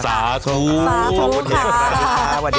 สาภูกษ์สาภูค่ะ